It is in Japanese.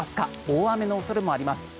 大雨の恐れもあります。